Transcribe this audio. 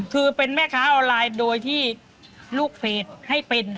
คือเป็นแม่ค้าออนไลน์โดยที่ลูกเพจให้เป็น